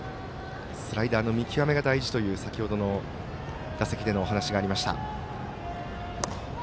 スライダーの見極めが大事だという先ほどの打席でのお話がありました。